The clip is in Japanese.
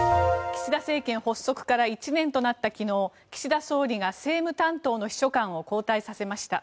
岸田政権発足から１年となった昨日岸田総理が政務担当の秘書官を交代させました。